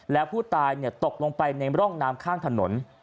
แล้วผู้ตายตกลงไปในร่องน้ำข้างถนน